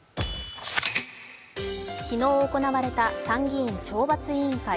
昨日行われた参議院懲罰委員会。